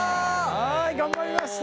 はい頑張りました！